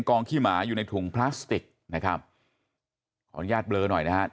ขี้หมาอยู่ในถุงพลาสติกนะครับขออนุญาตเบลอหน่อยนะฮะ